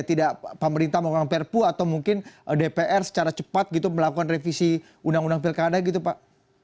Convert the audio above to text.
tidak pemerintah mau nganggap pkpu atau mungkin dpr secara cepat melakukan revisi undang undang pilkada gitu pak